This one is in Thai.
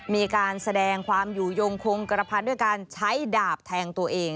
มีการแสดงความอยู่ยงคงกระพันด้วยการใช้ดาบแทงตัวเอง